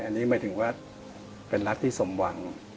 อันนี้หมายถึงว่าเป็นรัฐที่สมหวัง